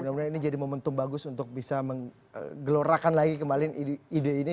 mudah mudahan ini jadi momentum bagus untuk bisa menggelorakan lagi kembali ide ini